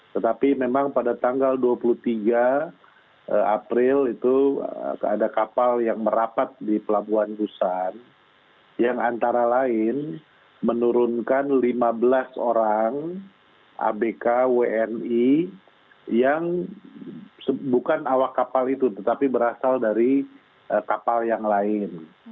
tetapi memang pada tanggal dua puluh tiga april itu ada kapal yang merapat di pelabuhan busan yang antara lain menurunkan lima belas orang abk wni yang bukan awak kapal itu tetapi berasal dari kapal yang lain